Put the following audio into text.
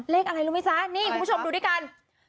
เลขอะไรรู้ไหมจ๊ะนี่คุณผู้ชมดูด้วยกัน